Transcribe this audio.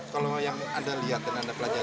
kalau yang anda lihat dan anda pelajari